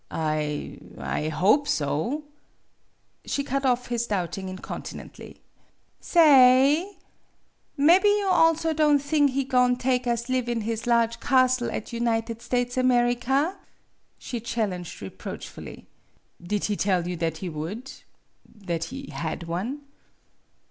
"I I hope so ' She cut off his doubting incontinently. " Sa ay! Mebby you also don' thing he go'n' take us live in his large castle at United States America ?" she challenged reproachfully. " Did he tell you that he would that he had one?